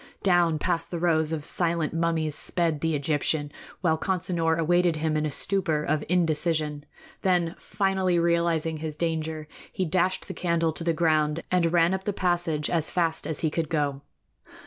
Down past the rows of silent mummies sped the Egyptian, while Consinor awaited him in a stupor of indecision. Then, finally realizing his danger, he dashed the candle to the ground and ran up the passage as fast as he could go.